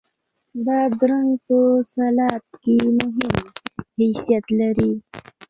بادرنګ په سلاد کې مهم حیثیت لري.